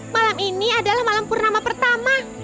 malam ini adalah malam purnama pertama